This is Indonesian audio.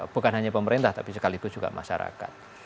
bukan hanya pemerintah tapi sekaligus juga masyarakat